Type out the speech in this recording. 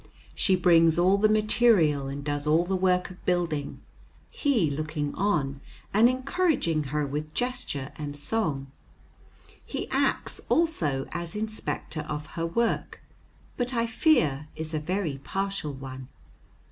She brings all the material and does all the work of building, he looking on and encouraging her with gesture and song. He acts also as inspector of her work, but I fear is a very partial one.